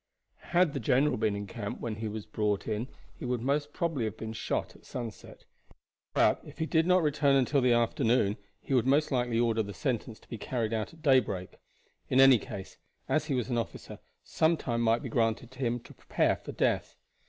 Had the general been in camp when he was brought in he would probably have been shot at sunset, but if he did not return until the afternoon he would most likely order the sentence to be carried out at daybreak. In any case, as he was an officer, some time might be granted to him to prepare for death.